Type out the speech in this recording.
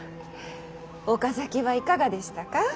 岡崎はいかがでしたか？